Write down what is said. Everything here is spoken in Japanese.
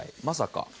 まさか。